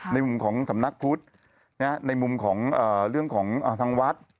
มุมของสำนักพุทธในมุมของเรื่องของทางวัด